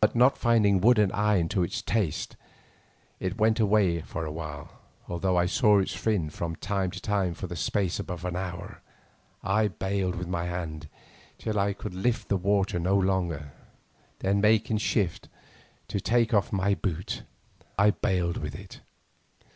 But not finding wood and iron to its taste, it went away for a while, although I saw its fin from time to time for the space of some hours. I bailed with my hands till I could lift the water no longer, then making shift to take off my boot, I bailed with that.